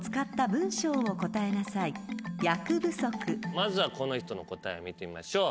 まずはこの人の答え見てみましょう。